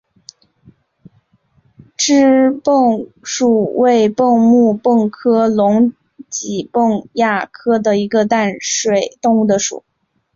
蛏蚌属为蚌目蚌科隆嵴蚌亚科一个淡水动物的属。